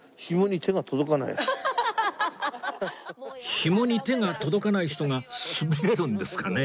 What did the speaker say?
ひもに手が届かない人が滑れるんですかね？